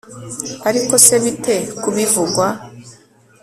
ariko se bite ku bivugwa